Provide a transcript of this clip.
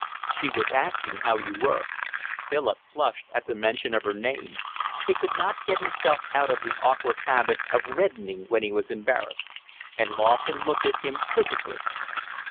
"She was asking how you were." Philip flushed at the mention of her name (he could not get himself out of the awkward habit of reddening when he was embarrassed), and Lawson looked at him quizzically.